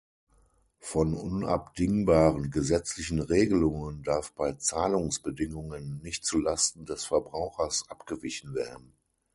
Von unabdingbaren gesetzlichen Regelungen darf bei Zahlungsbedingungen nicht zu Lasten des Verbrauchers abgewichen werden.